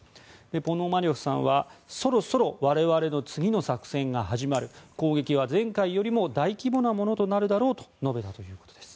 ポノマリョフさんはそろそろ我々の次の作戦が始まる攻撃は前回よりも大規模なものとなるだろうと述べていました。